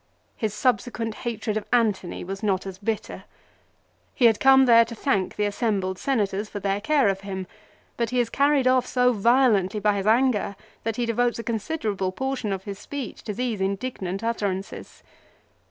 His sub sequent hatred of Antony was not as bitter. He had come there to thank the assembled Senators for their care of him, but he is carried off so violently by his anger that he devotes a considerable portion of his speech to these indignant utterances.